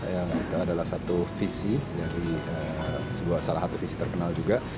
yang itu adalah satu vc salah satu vc terkenal juga